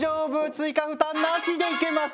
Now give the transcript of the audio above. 追加負担なしでいけます！